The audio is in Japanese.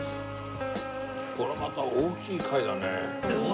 これはまた大きい貝だねえ。